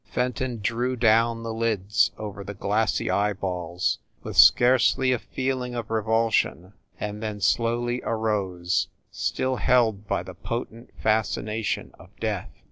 Fenton drew down the lids over the glassy eyeballs with scarcely a feeling of revulsion, and then slowly arose, still held by the potent fascination of death.